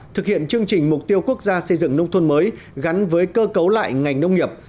thực hiện chương trình mục tiêu quốc gia xây dựng nông thôn mới gắn với cơ cấu lại ngành nông nghiệp